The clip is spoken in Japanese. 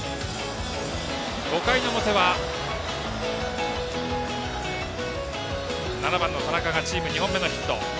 ５回の表は７番の田中がチーム２本目のヒット。